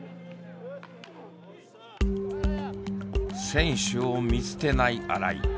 選手を見捨てない新井。